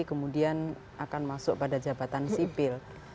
kemudian akan masuk pada jabatan sipil